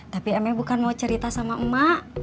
tapi emi bukan mau cerita sama mak